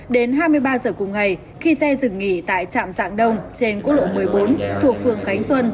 đến hai mươi ba h cùng ngày khi xe dừng nghỉ tại trạm dạng đông trên cố lộ một mươi bốn thuộc phường cánh xuân